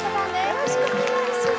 よろしくお願いします。